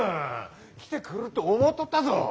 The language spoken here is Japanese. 来てくるっと思うとったぞ！